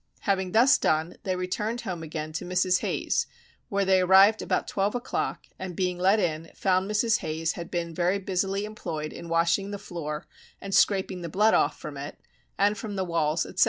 Having thus done, they returned home again to Mrs. Hayes's where they arrived about twelve o'clock and being let in, found Mrs. Hayes had been very busily employed in washing the floor, and scraping the blood off from it, and from the walls, etc.